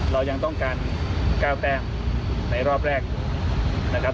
เรายังต้องการ๙แต้มในรอบแรกนะครับ